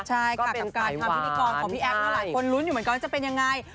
ใช่ค่ะกับการทำพิธีกรของพี่แอฟหลายคนลุ้นอยู่เหมือนกันว่าจะเป็นยังไง